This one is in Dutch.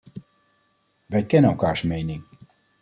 Wij kennen elkaars mening.